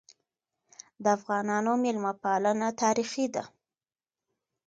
د افغانانو مېلمه پالنه تاریخي ده.